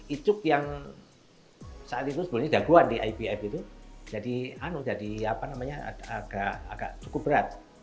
icuk yang sebelumnya dagoan di ibf itu jadi agak cukup berat